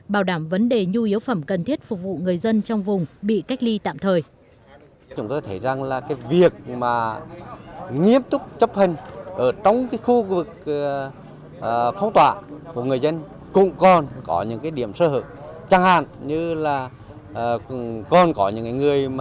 bảo đảm vấn đề nhu yếu phẩm cần thiết phục vụ người dân trong vùng bị cách ly tạm thời